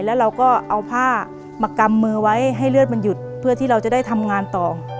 แล้วเราก็เอาผ้ามากำมือไว้ให้เลือดมันหยุดเพื่อที่เราจะได้ทำงานต่อ